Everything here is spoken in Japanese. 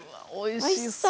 おいしそう！